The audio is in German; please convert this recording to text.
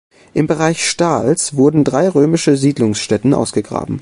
Im Bereich Stahls wurden drei römische Siedlungsstätten ausgegraben.